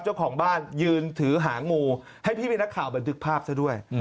เจ้าของบ้านยืนถือหางงูให้พี่เป็นนักข่าวบันทึกภาพซะด้วย